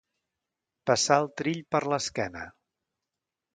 Passar el trill per l'esquena.